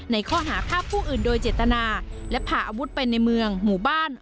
ในข้อหาฆ่าผู้อื่นโดยเจตนาและพาอาวุธไปในเมืองหมู่บ้าน